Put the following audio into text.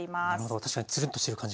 確かにつるんとしてる感じがしますね。